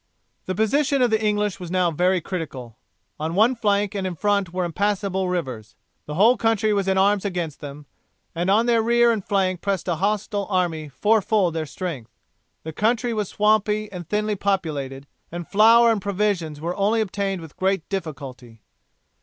The position of the English was now very critical. On one flank and in front were impassable rivers. The whole country was in arms against them, and on their rear and flank pressed a hostile army fourfold their strength. The country was swampy and thinly populated, and flour and provisions were only obtained with great difficulty.